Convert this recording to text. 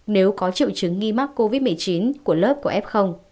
nếu có triệu chứng nghi mắc covid một mươi chín của lớp của f